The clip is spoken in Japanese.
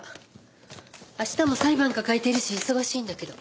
明日も裁判抱えているし忙しいんだけど。